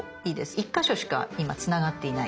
１か所しか今つながっていない。